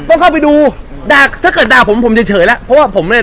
ต้องเข้าไปดูด่าถ้าเกิดด่าผมผมเฉยเฉยแล้วเพราะว่าผมเนี้ย